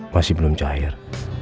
masih belum cair